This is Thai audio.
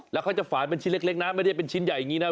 แล้วเขาจะฝานเป็นชิ้นเล็กนะไม่ได้เป็นชิ้นใหญ่อย่างนี้นะ